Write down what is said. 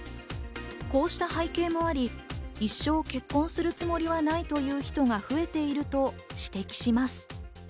こうした背景もあり、一生結婚するつもりはないという人が増えていると指摘します。